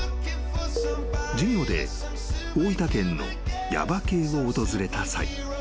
［授業で大分県の耶馬渓を訪れた際］